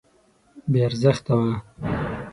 بې ارزښته وه.